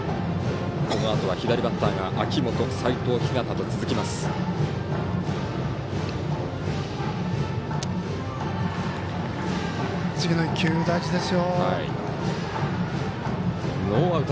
このあとは左バッターが秋元、齋藤陽と続きます。